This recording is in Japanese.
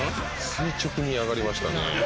垂直に上がりましたね。